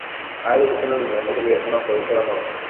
Hay dos escenas donde se ve un producto Nokia.